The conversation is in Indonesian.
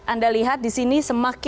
anda lihat di sini semakin